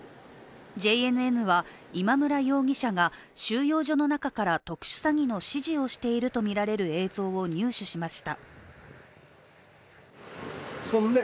ＪＮＮは、今村容疑者が収容所の中から特殊詐欺の指示をしているとみられる映像を入手しました。